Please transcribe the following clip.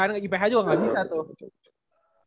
dia iph kan iph juga gak bisa tuh